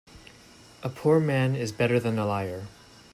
A poor man is better than a liar.